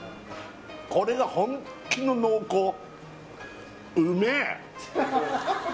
これが本気の濃厚うめえ